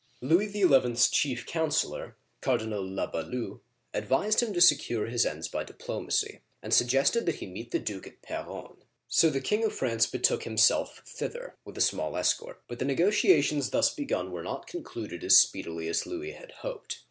Louis XL's chief counselor, Cardinal La Balue', advised him to secure his ends by diplomacy, and suggested that he meet the duke at P6ronne (pa ron'). So the King of France betook himself thither, with a small escort; but the negotiations thus begun were not concluded as speedily as Louis had hoped.